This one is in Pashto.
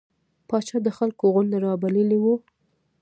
پاچا د خلکو غونده رابللې وه.